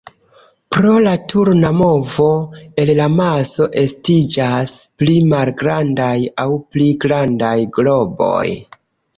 Pro la turna movo, el la maso estiĝas pli malgrandaj aŭ pli grandaj globoj.